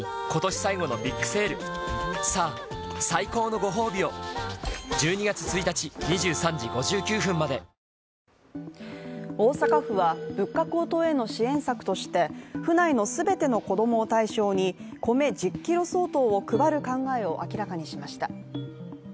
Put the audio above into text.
連覇を目指す積水化学はエースの新谷仁美選手が大阪府は物価高騰への支援策として、府内の全ての子供を対象に米１０ｋｇ相当を配る考えを明らかにしました。